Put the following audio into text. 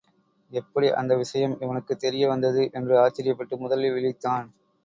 எப்படி, அந்த விஷயம் இவனுக்குத் தெரியவந்தது என்று ஆச்சரியப்பட்டு முதலில் விழித்தான்.